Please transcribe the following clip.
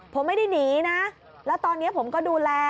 ผมไม่ได้หนีนะแล้วตอนนี้ผมก็ดูแล